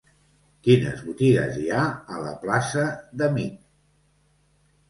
Quines botigues hi ha a la plaça d'Amich?